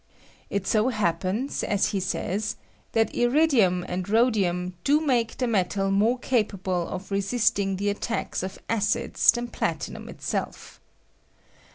It so happens, as he says, that iridium and rhodium do make the metal more capable of resisting the attacks of acids than platinum itself.